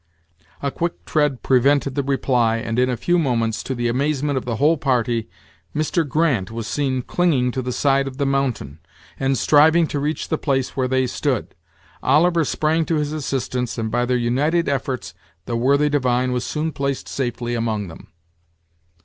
A quick tread prevented the reply, and in a few moments, to the amazement of the whole party, Mr. Grant was seen clinging to the side of the mountain, and striving to reach the place where they stood. Oliver sprang to his assistance, and by their united efforts the worthy divine was soon placed safely among them.